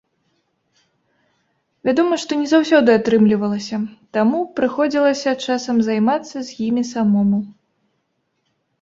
Вядома, што не заўсёды атрымлівалася, таму прыходзілася часам займацца з імі самому.